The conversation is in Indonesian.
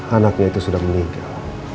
anaknya itu sudah meninggal